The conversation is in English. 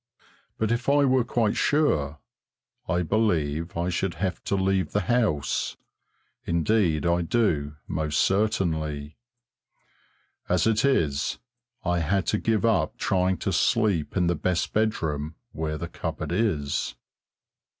But if I were quite sure, I believe I should have to leave the house; indeed I do, most certainly. As it is, I had to give up trying to sleep in the best bedroom where the cupboard is.